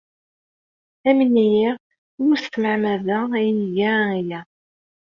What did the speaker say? Amen-iyi, ur s tmeɛmada ay iga aya.